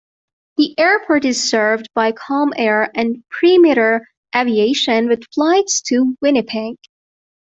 The airport is served by Calm Air and Perimeter Aviation with flights to Winnipeg.